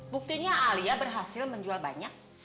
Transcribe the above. buktinya alia berhasil menjual banyak